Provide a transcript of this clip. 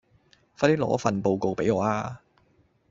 快啲攞份報告畀我吖